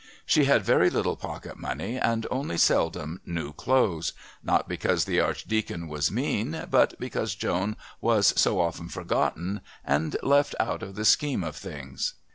She had very little pocket money and only seldom new clothes, not because the Archdeacon was mean, but because Joan was so often forgotten and left out of the scheme of things.